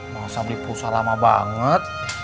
masa beli pulsa lama banget